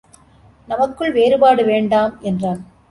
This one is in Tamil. நமக்குள் வேறுபாடு வேண்டாம் என்றான்.